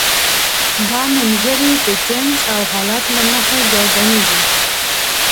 دا نومځري د جنس او حالت له مخې ګردانیږي.